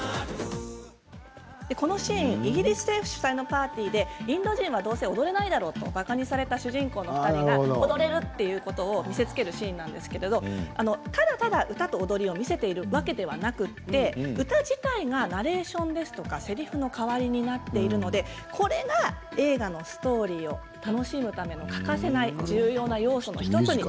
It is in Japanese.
このシーンはイギリス政府主催のパーティーでインド人はどうせ踊れないだろうとばかにされた主人公の２人が踊れるということを見せつけるシーンなんですけど彼らは、ただ歌と踊りを見せているわけではなくて歌自体がナレーションですとかせりふの代わりになっているのでこれが映画のストーリーを楽しむための欠かせない重要な要素なんです。